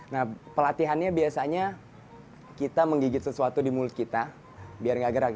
nah pelatihannya biasanya kita menggigit sesuatu di mulut kita biar gak gerak